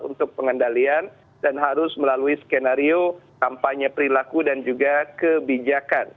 untuk pengendalian dan harus melalui skenario kampanye perilaku dan juga kebijakan